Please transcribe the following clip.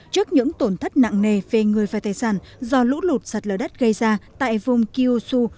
trước những tổn thất nặng nề về người và tài sản do lũ lụt sạt lở đất gây ra tại vùng kyushu